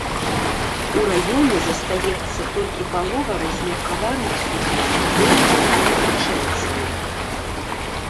У раёне застаецца толькі палова размеркаваных сюды студэнтаў і навучэнцаў.